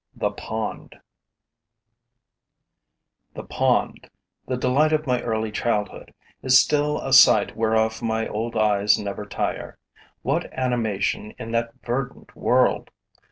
THE POND The pond, the delight of my early childhood, is still a sight whereof my old eyes never tire. What animation in that verdant world!